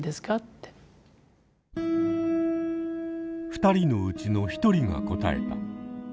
２人のうちの一人が答えた。